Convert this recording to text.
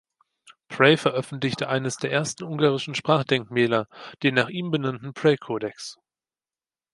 Pray veröffentlichte eines der ersten ungarischen Sprachdenkmäler, den nach ihm benannten Pray-Kodex.